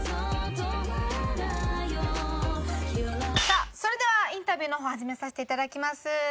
さあそれではインタビューの方始めさせていただきます。